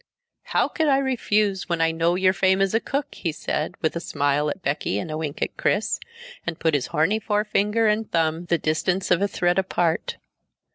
"How could I refuse when I know your fame as a cook?" he said with a smile at Becky and a wink at Chris, and put his horny forefinger and thumb the distance of a thread apart.